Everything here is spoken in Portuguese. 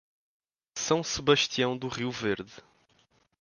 São Sebastião do Rio Verde